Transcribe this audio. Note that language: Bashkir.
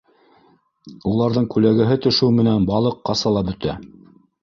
Уларҙың күләгәһе төшөү менән балыҡ ҡаса ла бөтә.